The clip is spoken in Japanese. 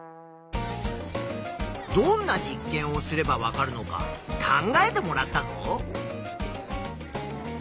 どんな実験をすればわかるのか考えてもらったぞ。